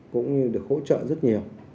cũng như được hỗ trợ rất nhiều